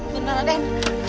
tidak ada yang